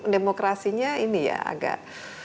demokrasinya ini ya agak